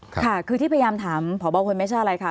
ค่ะคือที่พยายามถามพบคนไม่ใช่อะไรค่ะ